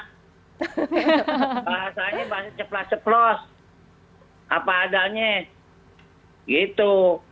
bahasanya cepat cepat apa adanya gitu